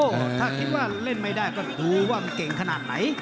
ถ้าคิดว่าเล่นไม่ได้ก็ดูว่ามันเก่งขนาดไหน